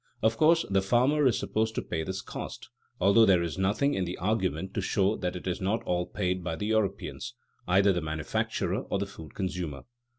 Of course the farmer is supposed to pay this cost, although there is nothing in the argument to show that it is not all paid by the European, either the manufacturer or the food consumer.